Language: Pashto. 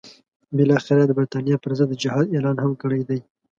بالاخره یې د برټانیې پر ضد د جهاد اعلان هم کړی دی.